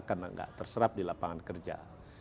karena tidak terserap di lapangan kerja